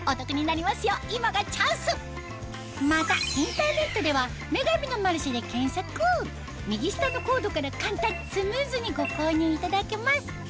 またインターネットでは右下のコードから簡単スムーズにご購入いただけます